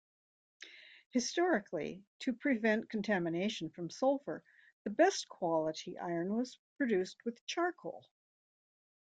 Historically, to prevent contamination from sulfur, the best quality iron was produced with charcoal.